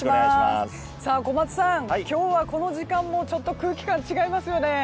小松さん今日はこの時間もちょっと空気感が違いますよね。